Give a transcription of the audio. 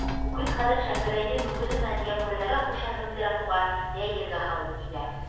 Үгеҙ хәҙер Шәңгәрәйҙе мөгөҙө менән йә бүрәнәгә ҡуша һеңдерә һуға, йә ергә һалып иҙә.